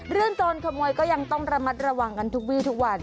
เรื่องโจรขโมยก็ยังต้องระมัดระหว่างกันทุกวิทย์ทุกวัน